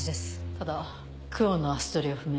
ただ久遠の足取りは不明。